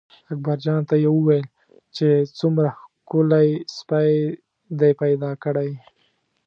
اکبرجان ته یې وویل چې څومره ښکلی سپی دې پیدا کړی.